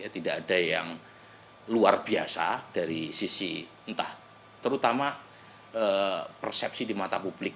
tidak ada yang luar biasa dari sisi entah terutama persepsi di mata publik